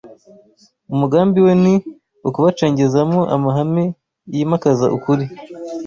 Umugambi we ni ukubacengezamo amahame yimakaza ukuri,